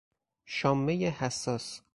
شامهی حساس